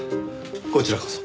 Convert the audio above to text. こちらこそ。